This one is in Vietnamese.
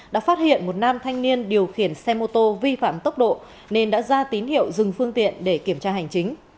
đã phát hiện một nam thanh niên điều khiển xe mô tô vi phạm tốc độ nên đã ra tín hiệu dừng phương tiện để kiểm tra hành chính